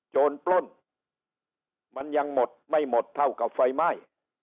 ปล้นมันยังหมดไม่หมดเท่ากับไฟไหม้